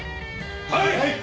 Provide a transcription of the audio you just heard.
はい！